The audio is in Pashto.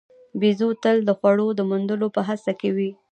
بیزو تل د خوړو د موندلو په هڅه کې وي.